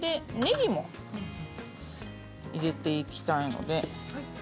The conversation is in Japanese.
ねぎも入れていきたいので。